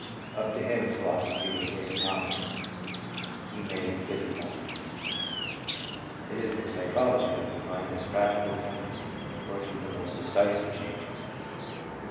Up to him philosophy was anatom ical; he made it physiological. It is in psychology that we find this "practical" 310 LEUBA : tendency working the most decisive changes.